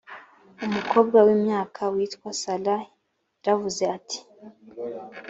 umukobwa w imyaka witwa sarah yaravuze ati